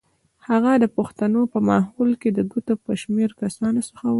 هغه د پښتنو په ماحول کې د ګوتو په شمېر کسانو څخه و.